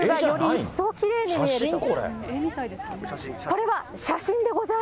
一層きれいに見えると。